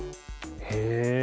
へえ！